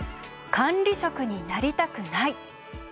「管理職になりたくない」。